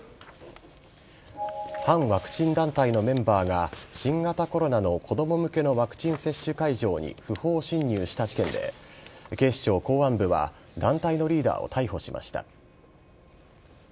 反ワクチン団体のメンバーが新型コロナの子供向けのワクチン接種会場に不法侵入した事件で警視庁公安部は団体のリーダーを逮捕しました。